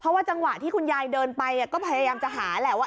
เพราะว่าจังหวะที่คุณยายเดินไปก็พยายามจะหาแหละว่า